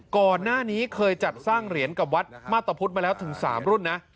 ก่อนหน้านี้เคยจัดสร้างเหรียญกับวัดมาตรพุทธมาแล้วถึง๓รุ่นนะ